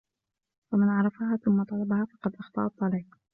فَمَنْ عَرَفَهَا ثُمَّ طَلَبَهَا فَقَدْ أَخْطَأَ الطَّرِيقَ